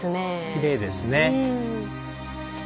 きれいですね。